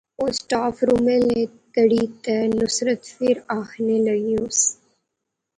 او سٹاف رومے لے ٹریاں تے نصرت فیر آخنے لاغیوس